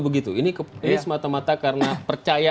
begitu ini kepercayaan mata mata karena percaya